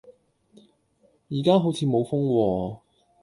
而家好似冇風喎